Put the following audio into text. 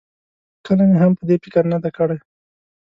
کله مې هم په دې فکر نه دی کړی.